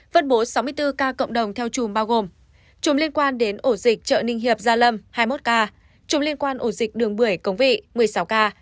phân bố sáu mươi bốn ca cộng đồng theo chủng bao gồm chủng liên quan đến ổ dịch chợ ninh hiệp gia lâm hai mươi một ca chủng liên quan ổ dịch đường một mươi cống vị một mươi sáu ca